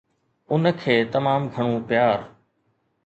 ان کي تمام گهڻو پيار